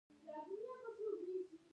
هر چا په سختۍ خپله ګیډه مړه کوله.